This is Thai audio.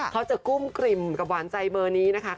เขาจะกุ้มกลิ่มกับหวานใจเบอร์นี้นะคะ